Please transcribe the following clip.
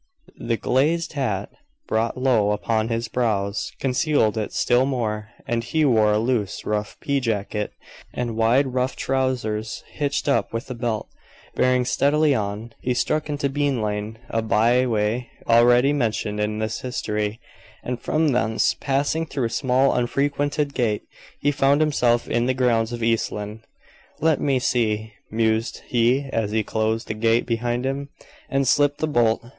The glazed hat, brought low upon his brows, concealed it still more; and he wore a loose, rough pea jacket and wide rough trousers hitched up with a belt. Bearing steadily on, he struck into Bean lane, a by way already mentioned in this history, and from thence, passing through a small, unfrequented gate, he found himself in the grounds of East Lynne. "Let me see," mused he as he closed the gate behind him, and slipped the bolt.